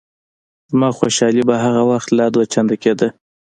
زما خوشحالي به هغه وخت لا دوه چنده کېده.